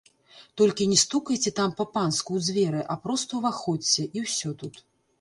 Толькі не стукайце там па-панску ў дзверы, а проста ўваходзьце, і ўсё тут.